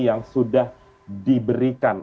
yang sudah diberikan